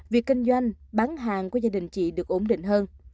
việc kinh doanh bán hàng của gia đình chị được ổn định hơn